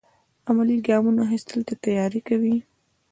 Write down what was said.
عملي ګامونو اخیستلو ته تیاری کوي.